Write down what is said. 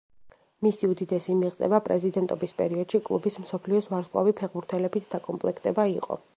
მისი უდიდესი მიღწევა პრეზიდენტობის პერიოდში კლუბის მსოფლიოს ვარსკვლავი ფეხბურთელებით დაკომპლექტება იყო.